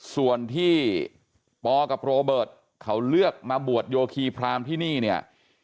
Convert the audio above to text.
ส่วนที่ปกับโรเบิร์ตเขาเลือกมาบวชโยคีพรามที่นี่เนี่ย